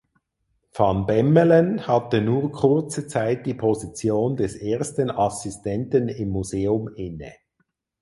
Van Bemmelen hatte nur kurze Zeit die Position des ersten Assistenten im Museum inne.